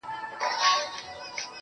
وجود مي غم ناځوانه وړی دی له ځانه سره_